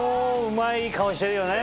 ねぇいい顔してるよね。